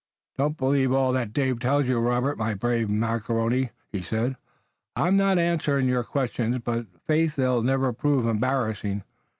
"Don't believe all that David tells you, Robert, my brave macaroni," he said. "I may not answer your questions, but faith they'll never prove embarrassing.